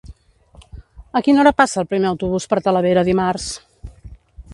A quina hora passa el primer autobús per Talavera dimarts?